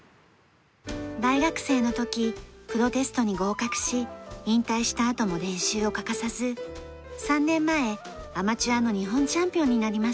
大学生の時プロテストに合格し引退したあとも練習を欠かさず３年前アマチュアの日本チャンピオンになりました。